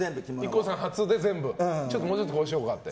ＩＫＫＯさん発で全部もうちょっとこうしようと。